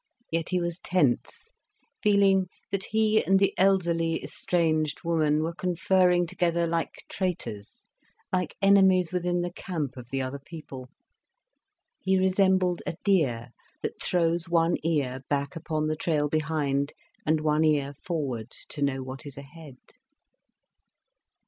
Yet he was tense, feeling that he and the elderly, estranged woman were conferring together like traitors, like enemies within the camp of the other people. He resembled a deer, that throws one ear back upon the trail behind, and one ear forward, to know what is ahead.